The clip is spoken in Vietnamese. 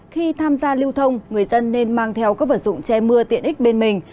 khi tham gia lưu thông người dân nên mang theo các vật dụng che mưa tiện ích bên mình